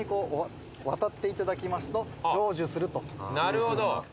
なるほど。